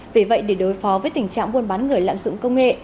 vì vậy để đối phó với tình trạng buôn bán người lạm dụng công nghệ